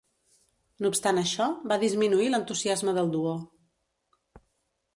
No obstant això, va disminuir l'entusiasme del duo.